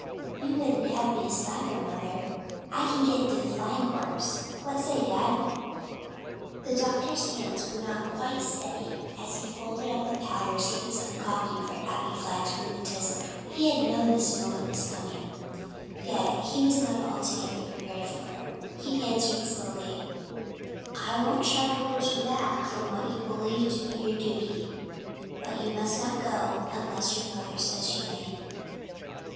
"You wouldn't have me a slacker, mother? I can get into the flying corps. What say, dad?" The doctor's hands were not quite steady as he folded up the powders he was concocting for Abbie Flagg's rheumatism. He had known this moment was coming, yet he was not altogether prepared for it. He answered slowly, "I won't try to hold you back from what you believe to be your duty. But you must not go unless your mother says you may."